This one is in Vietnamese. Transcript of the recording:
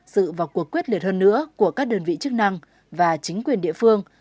sự vào cuộc quyết liệt hơn nữa của các đơn vị chức năng và chính quyền địa phương